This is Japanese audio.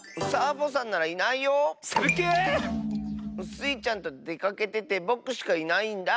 スイちゃんとでかけててぼくしかいないんだ。